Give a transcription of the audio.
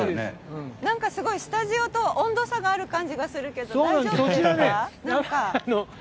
すごいスタジオと温度差がある感じがするけど大丈夫ですか？